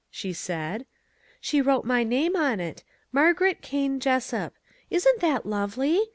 she said. " She wrote my name in it :' Margaret Kane Jessup.' Isn't that lovely?